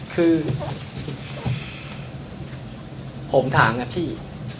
คือผมถามนะพี่